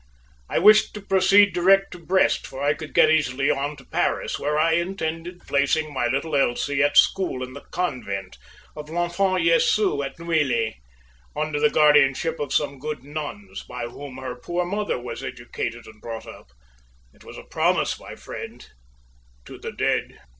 I wished to proceed direct to Brest, for I could get easily on to Paris, where I intended placing my little Elsie at school in the convent of L'enfant Jesu, at Neuilly, under the guardianship of some good nuns, by whom her poor mother was educated and brought up. It was a promise, my friend, to the dead."